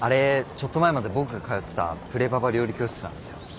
ちょっと前まで僕が通ってたプレパパ料理教室なんですよ。